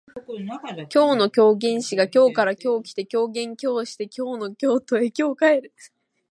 今日の狂言師が京から今日来て狂言今日して京の故郷へ今日帰る